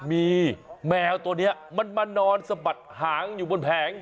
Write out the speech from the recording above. มีแมวตัวนี้มันมานอนสะบัดหางอยู่บนแผง